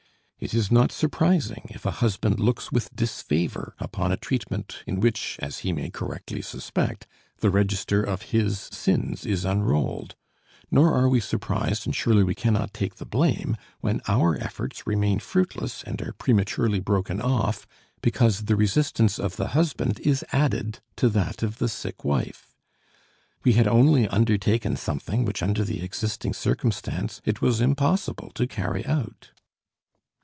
It is not surprising if a husband looks with disfavor upon a treatment in which, as he may correctly suspect, the register of his sins is unrolled; nor are we surprised, and surely we cannot take the blame, when our efforts remain fruitless and are prematurely broken off because the resistance of the husband is added to that of the sick wife. We had only undertaken something which, under the existing circumstance, it was impossible to carry out.